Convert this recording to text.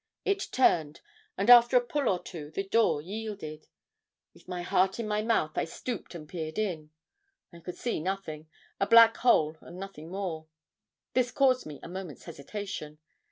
It turned, and after a pull or two the door yielded. With my heart in my mouth, I stooped and peered in. I could see nothing a black hole and nothing more. This caused me a moment's hesitation.